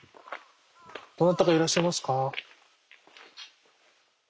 どなたかいらっしゃいますか？